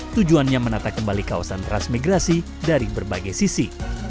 tujuannya menata kembali kawasan transmigrasi dari berbagai sisi